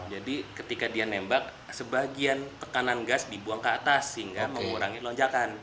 jadi ketika dia nembak sebagian tekanan gas dibuang ke atas sehingga mengurangi lonjakan